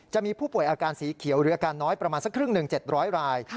จะมีผู้ป่วยอาการสีเขียวหรืออาการน้อยประมาณสักครึ่งหนึ่ง๗๐๐ราย